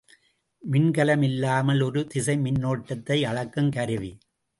மின்கலம் இல்லாமல் ஒரு திசை மின்னோட்டத்தை அளக்குங் கருவி.